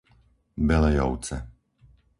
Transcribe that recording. Belejovce